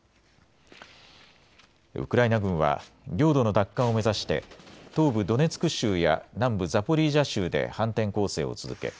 ウクライナ軍は領土の奪還を目指して東部ドネツク州や南部ザポリージャ州で反転攻勢を続け